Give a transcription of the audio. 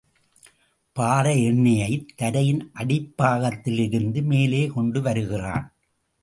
பாறை எண்ணெயைத் தரையின் அடிப்பாகத்தில் இருந்து மேலே கொண்டு வருகிறான்.